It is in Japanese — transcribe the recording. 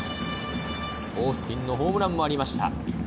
オースティンのホームランもありました。